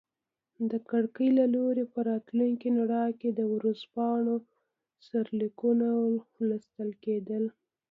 د کړکۍ له لوري په راتلونکي رڼا کې د ورځپاڼو سرلیکونه لوستل کیدل.